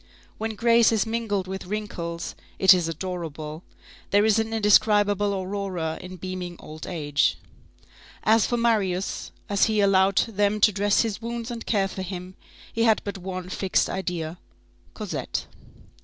When grace is mingled with wrinkles, it is adorable. There is an indescribable aurora in beaming old age. As for Marius, as he allowed them to dress his wounds and care for him, he had but one fixed idea: Cosette.